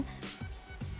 iya betul betul betul